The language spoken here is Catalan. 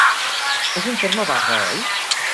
És un terme vague, oi?